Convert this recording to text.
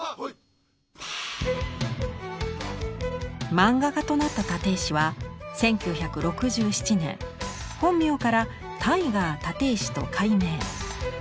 マンガ家となった立石は１９６７年本名から「タイガー立石」と改名。